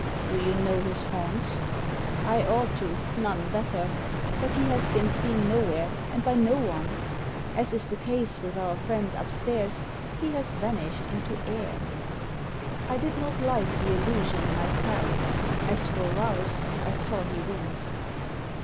Do you know his haunts ?"* I ought to— none better ! But he has been seen nowhere, and by no one. As is the case with our friend upstairs, he has vanished into air." I did not like the allusion mysel£ As for Rouse I saw he winced.